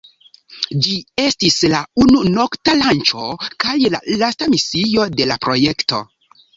Ĝi estis la unu nokta lanĉo kaj la lasta misio de la projekto.